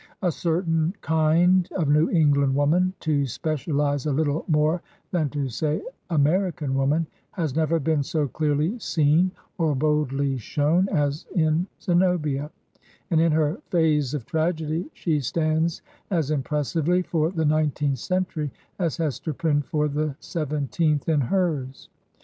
A certain kind of New England woman, to specialize a little more than to say American woman, has never been so clearly seen or boldly shown as in Zenobia; and in her phase of tragedy she stands as impressively for the nineteenth century as Hester Prynne for the seventeenth in hers.